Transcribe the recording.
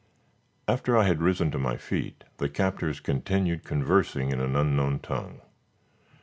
After I had arisen to my feet, the captors continued conversing in an unknown tongue.